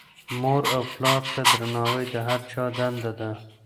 مور او پلار ته درناوی د هر چا دنده ده.